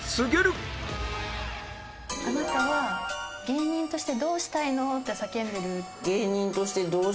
「芸人としてどうしたいの？」って叫んでるよ。